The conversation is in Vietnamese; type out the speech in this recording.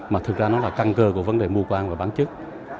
mà thực ra nó là căn cơ của vấn đề mua quang và bán chức